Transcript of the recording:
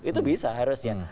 itu bisa harusnya